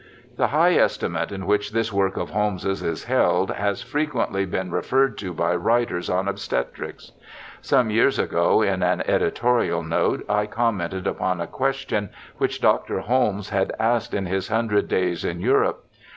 The high estimate in which this work of Holmes's is held has frequently been referred to by writers on obstetrics. Some years ago in an editorial note I commented upon a question which Dr. Holmes had asked in his Hundred Days in Europe.